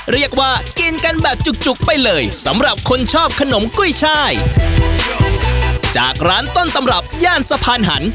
เรียกว่ากินกันแบบจุกจุกไปเลยสำหรับคนชอบขนมกุ้ยช่ายจากร้านต้นตำรับย่านสะพานหัน